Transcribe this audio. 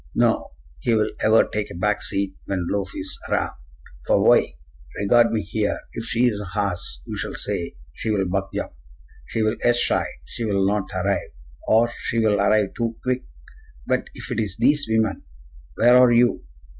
No; he will ever take a back seat when lofe is around. For why? Regard me here! If she is a horse, you shall say, 'She will buck jump,' 'She will ess shy,' 'She will not arrive,' or 'She will arrive too quick.' But if it is thees women, where are you?